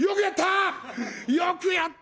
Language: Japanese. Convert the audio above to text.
「よくやった！